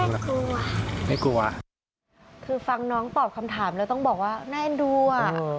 ไม่กลัวคือฟังน้องตอบคำถามแล้วต้องบอกว่าแน่นดูอ่ะเออ